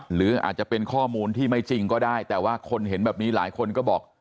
หรืออาจจะเป็นข้อมูลที่ไม่จริงก็ได้แต่ว่าคนเห็นแบบนี้หลายคนก็บอก